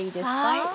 はい。